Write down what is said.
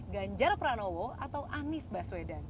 ganjar pranowo atau anies baswedan